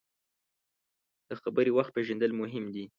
د خبرې وخت پیژندل مهم دي.